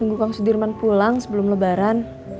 nunggu kang sudirman pulang sebelum lebaran